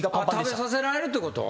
食べさせられるってこと？